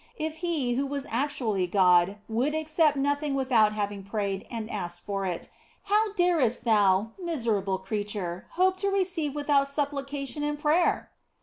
If He who was actually God would accept nothing without having prayed and asked for it, how darest thou, miserable creature, hope to receive without supplication and prayer